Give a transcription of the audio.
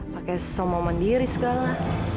pakai somo mandiri segala